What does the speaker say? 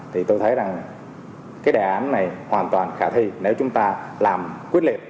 thì tôi thấy rằng cái đề án này hoàn toàn khả thi nếu chúng ta làm quyết liệt